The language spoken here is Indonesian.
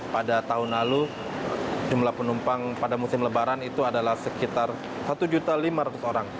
pada tahun lalu jumlah penumpang pada musim lebaran itu adalah sekitar satu lima ratus orang